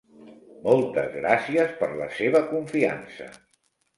Moltes gràcies per la seva confiança.